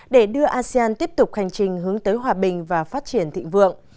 để đưa asean tiếp tục hành trình hướng tới hòa bình và phát triển thịnh vượng